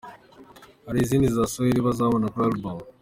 Hari izindi za Swahili bazabona kuri album.